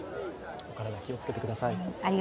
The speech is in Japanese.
お体気をつけてください。